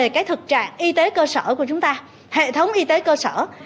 cái thực trạng y tế cơ sở của chúng ta hệ thống y tế cơ sở